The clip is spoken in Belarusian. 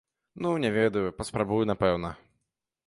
Ну, не ведаю, паспрабую, напэўна.